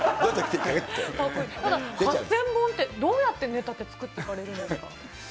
ただ、８０００本って、どうやってネタって作っていかれるんですか？